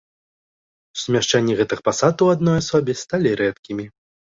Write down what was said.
Сумяшчэнні гэтых пасад у адной асобе сталі рэдкімі.